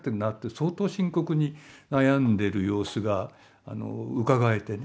相当深刻に悩んでる様子がうかがえてね。